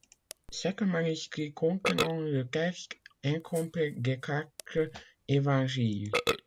C'est un manuscrit contenant le texte incomplet des quatre Évangiles.